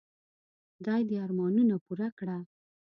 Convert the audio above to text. خدای دي ارمانونه پوره کړه .